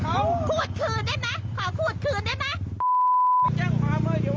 พูดคืนได้ไหมขอพูดคืนได้ไหม